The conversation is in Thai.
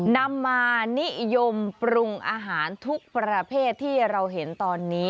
นำมานิยมปรุงอาหารทุกประเภทที่เราเห็นตอนนี้